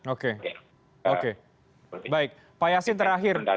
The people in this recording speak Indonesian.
oke oke baik pak yasin terakhir